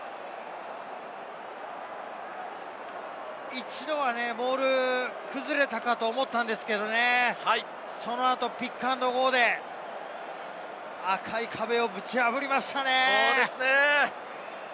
一度はね、モールが崩れたかと思ったんですけれどね、その後ピックアンドゴーで、赤い壁をぶち破りましたね。